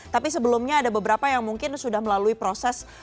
tapi sebelumnya ada beberapa yang mungkin sudah melalui proses